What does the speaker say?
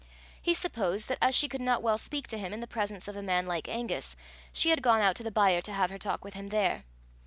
He supposed that as she could not well speak to him in the presence of a man like Angus, she had gone out to the byre to have her talk with him there.